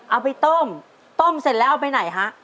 เอาไปต้มต้มเสร็จแล้วเอาไปไหนฮะ